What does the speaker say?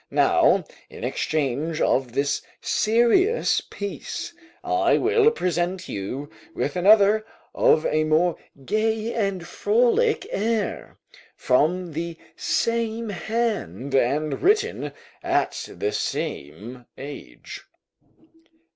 Now, in exchange of this serious piece, I will present you with another of a more gay and frolic air, from the same hand, and written at the same age."